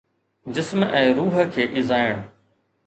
جسم ۽ روح کي ايذائڻ